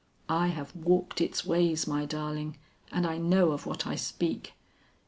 I have walked its ways, my darling, and I know of what I speak.